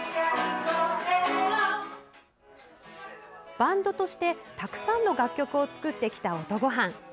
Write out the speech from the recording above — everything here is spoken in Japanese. バンドとしてたくさんの楽曲を作ってきた音ごはん。